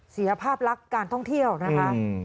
เสียภาพลักษณ์การท่องเที่ยวนะคะ